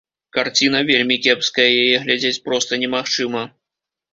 Карціна вельмі кепская, яе глядзець проста немагчыма.